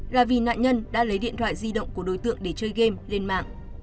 là vì nạn nhân đã lấy điện thoại di động của đối tượng để chơi game lên mạng